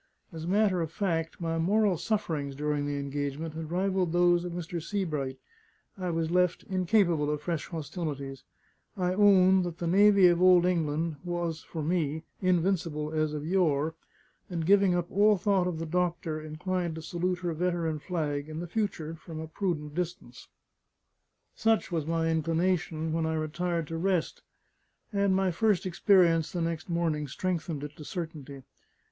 As a matter of fact, my moral sufferings during the engagement had rivalled those of Mr. Sebright; I was left incapable of fresh hostilities; I owned that the navy of old England was (for me) invincible as of yore; and giving up all thought of the doctor, inclined to salute her veteran flag, in the future, from a prudent distance. Such was my inclination, when I retired to rest; and my first experience the next morning strengthened it to certainty.